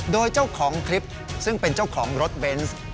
โดยเจ้าของคลิปซึ่งเป็นเจ้าของรถเบนส์